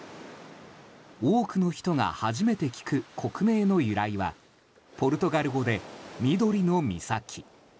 多くの人が初めて聞く国名の由来はポルトガル語で緑の岬。